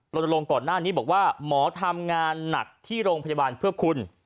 ลงก่อนหน้านี้บอกว่าหมอทำงานหนักที่โรงพยาบาลเพื่อคุณ